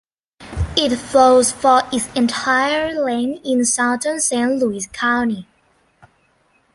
It flows for its entire length in southern Saint Louis County.